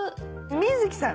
「観月さん